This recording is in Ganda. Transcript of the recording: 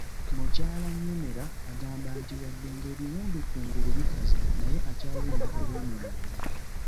Mukyala Nyemera agamba nti wadde ng'ebiwundu ku nguli bikaze naye akyawulira obulumi munda.